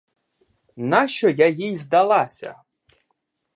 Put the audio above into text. Нащо я їй здалася?